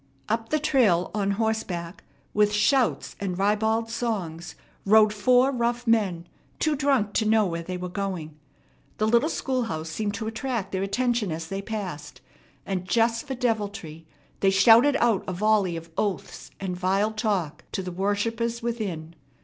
Up the trail on horseback, with shouts and ribald songs, rode four rough men, too drunk to know where they were going. The little schoolhouse seemed to attract their attention as they passed, and just for deviltry they shouted out a volley of oaths and vile talk to the worshippers within.